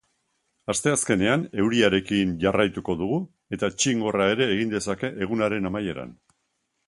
Asteazkenean euriarekin jarraituko dugu, eta txingorra ere egin dezake egunaren amaieran.